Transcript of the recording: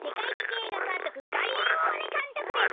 えいがかんとくガリレオーネかんとくです。